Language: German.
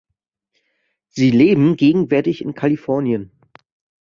Sie leben gegenwärtig in Kalifornien.